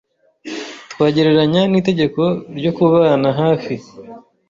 twagereranya n’itegeko ryo kubana hafi,